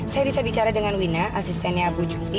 saya bisa bicara dengan wina asistennya bu jungki